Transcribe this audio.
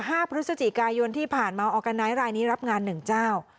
พฤศจิกายนที่ผ่านมาออร์กาไนท์รายนี้รับงานหนึ่งเจ้า